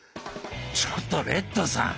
ちょっとレッドさん！